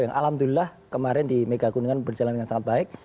yang alhamdulillah kemarin di megakuningan berjalan dengan sangat baik